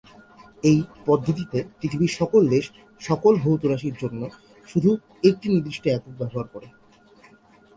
এই পদ্ধতিতে পৃথিবীর সকল দেশ সকল ভৌত রাশির জন্য শুধু একটি নির্দিষ্ট একক ব্যবহার করে।